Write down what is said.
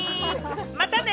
またね！